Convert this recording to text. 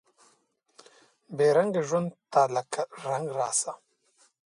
بې رنګه ژوند ته لکه رنګ راسه